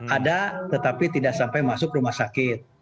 ada tetapi tidak sampai masuk rumah sakit